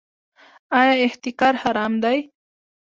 آیا احتکار حرام دی؟